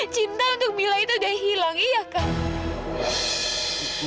cinta untuk mila itu udah hilang iya kang